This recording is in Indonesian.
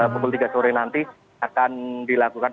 pukul tiga sore nanti akan dilakukan